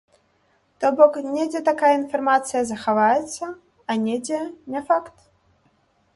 То бок недзе такая інфармацыя захаваецца, а недзе не факт.